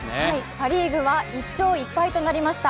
パ・リーグは１勝１敗となりました。